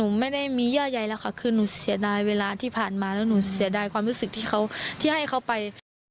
ไม่ได้มีเยื่อใยแล้วค่ะคือหนูเสียดายเวลาที่ผ่านมาแล้วหนูเสียดายความรู้สึกที่เขาที่ให้เขาไป